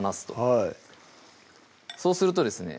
はいそうするとですね